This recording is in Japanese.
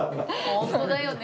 ホントだよね。